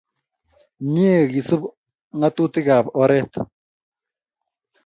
Mye kesup ng'atutik ap oret